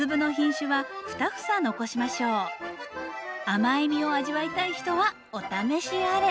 甘い実を味わいたい人はお試しあれ。